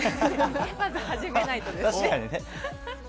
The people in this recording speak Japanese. まず始めないとですね。